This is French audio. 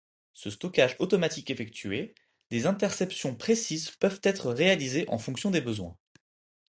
Ce stockage automatique effectué, des interceptions précises peuvent être réalisées en fonction des besoins.